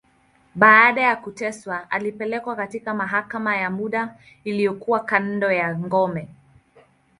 Baada ya kuteswa, alipelekwa katika mahakama ya muda, iliyokuwa kando ya ngome.